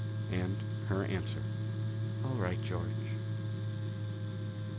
And her answer, "All right, George."